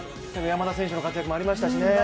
山田選手の活躍もありましたしね。